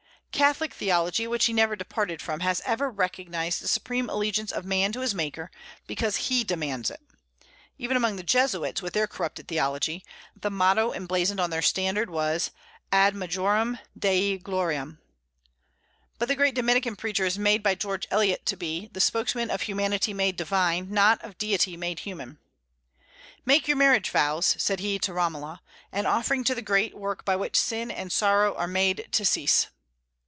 Catholic theology, which he never departed from, has ever recognized the supreme allegiance of man to his Maker, because He demands it. Even among the Jesuits, with their corrupted theology, the motto emblazoned on their standard was, Ad majorem dei gloriam. But the great Dominican preacher is made by George Eliot to be "the spokesman of humanity made divine, not of Deity made human." "Make your marriage vows," said he to Romola, "an offering to the great work by which sin and sorrow are made to cease."